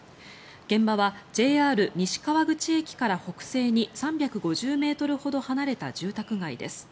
現場はＪＲ西川口駅から北西に３５０ｍほど離れた住宅街です。